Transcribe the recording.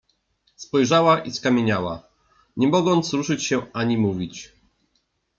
Spojrzała i skamieniała, nie mogąc ruszyć się ani mówić.